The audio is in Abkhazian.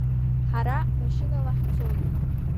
Ҳара машьынала ҳцоит.